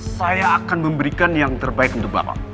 saya akan memberikan yang terbaik untuk bapak